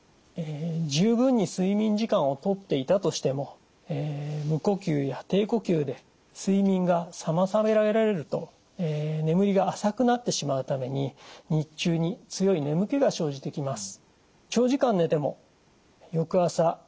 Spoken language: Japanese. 十分に睡眠時間をとっていたとしても無呼吸や低呼吸で睡眠が妨げられると眠りが浅くなってしまうために日中に強い眠気が生じてきます。